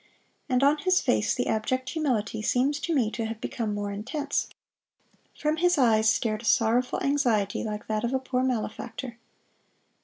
And on his face the abject humility seems to me to have become more intense. From his eyes stared a sorrowful anxiety like that of a poor malefactor.